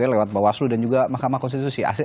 lewat bawaslu dan juga mahkamah konstitusi